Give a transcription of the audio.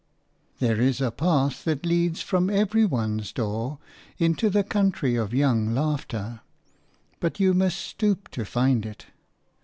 THERE is a path that leads from every one's door into the country of young laughter: but you must stoop to find it.